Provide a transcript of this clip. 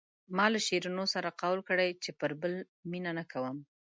ما له شیرینو سره قول کړی چې پر بل مینه نه کوم.